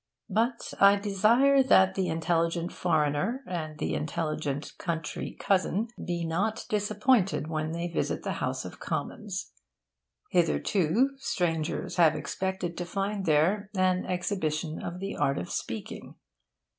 But I desire that the intelligent foreigner and the intelligent country cousin be not disappointed when they visit the House of Commons. Hitherto, strangers have expected to find there an exhibition of the art of speaking.